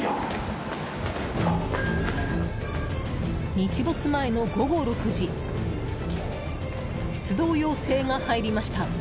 日没前の午後６時出動要請が入りました。